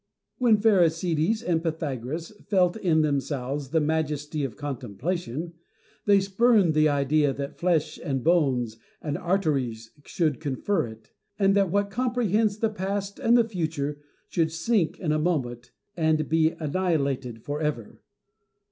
When Pherecydes and Pythagoras felt in themselves the majesty of contemplation, they spurned the idea that flesh and bones and arteries should confer it ; and that what com prehends the past and the future should sink in a moment and be annihilated for ever.